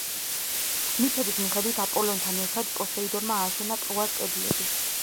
მითების მიხედვით აპოლონთან ერთად პოსეიდონმა ააშენა ტროას კედლები.